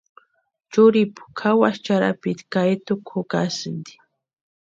Churhipu kʼawasï charhapiti ka etukwa jukasïnti.